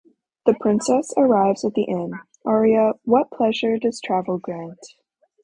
The princess arrives at the inn (aria "What pleasure does travel grant").